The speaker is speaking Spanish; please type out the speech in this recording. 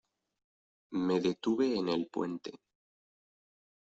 Me detuve en el puente.